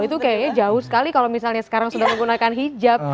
itu kayaknya jauh sekali kalau misalnya sekarang sudah menggunakan hijab